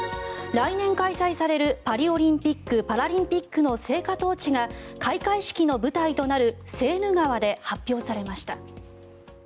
来年開催されるパリオリンピック・パラリンピックの聖火トーチが開会式の舞台となるセーヌ川で発表されました。